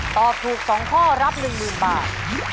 ตอบถูก๒ข้อรับ๑๐๐๐บาท